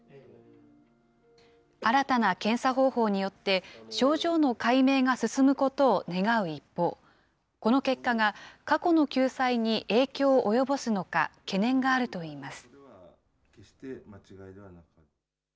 新たな検査方法によって、症状の解明が進むことを願う一方、この結果が過去の救済に影響を及ぼすのか、懸念があるといいます。